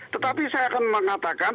tetapi saya akan mengatakan